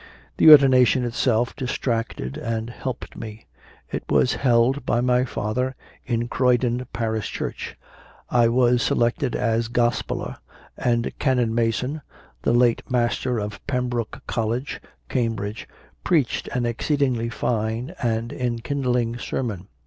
The ordination itself distracted and helped me. It was held by my father in Croydon parish church. I was selected as "Gospeller"; and Canon Mason, the late master of Pembroke College, Cambridge, preached an exceedingly fine and enkindling sermon.